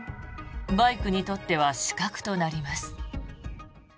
バイクにとっては死角となります。